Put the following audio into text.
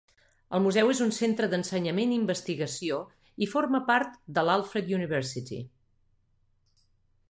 El museu és un centre d'ensenyament i investigació i forma part de l'Alfred University.